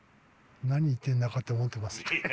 何言ってんだかって思ってますよ。